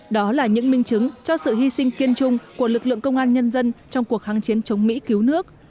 đó là những minh chứng cho sự hy sinh kiên trung của lực lượng công an nhân dân trong cuộc kháng chiến chống mỹ cứu nước